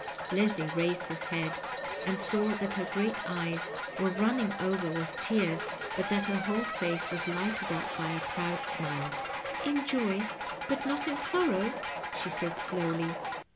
Leslie raised his head and saw that her great eyes were running over with tears, but that her whole face was lighted up by a proud smile. " In joy, but not in sorrow!" she said slowly.